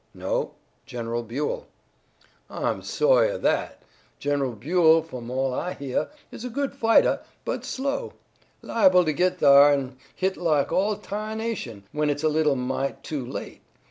"No, General Buell." "I'm so'y of that. Gen'ral Buell, f'om all I heah, is a good fightah, but slow. Liable to git thar, an' hit like all ta'nation, when it's a little mite too late.